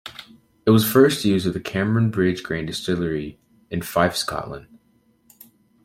It was first used at the Cameron Bridge Grain Distillery in Fife, Scotland.